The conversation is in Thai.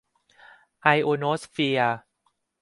ไอโอโนสเฟียร์